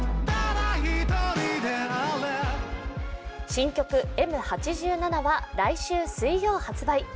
新曲「Ｍ八七」は来週水曜発売。